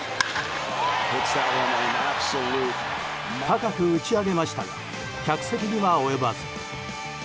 高く打ち上げましたが客席には及ばず。